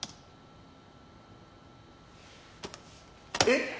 えっ？